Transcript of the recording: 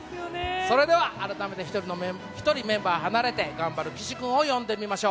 それでは改めて１人メンバー離れて頑張る岸君を呼んでみましょう。